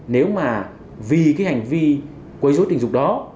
nếu mà vì hành vi quấy rối tình dục đó